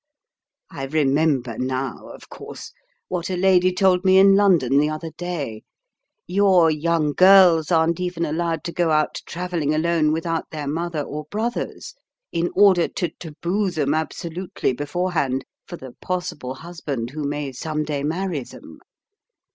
I remember now, of course, what a lady told me in London the other day: your young girls aren't even allowed to go out travelling alone without their mother or brothers, in order to taboo them absolutely beforehand for the possible husband who may some day marry them.